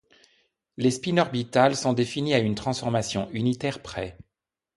Les spinorbitales sont définies à une transformation unitaire près.